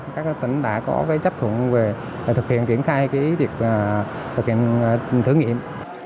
các tỉnh đã có cái chấp thuận về thực hiện kiểm trai cái việc thực hiện thử nghiệm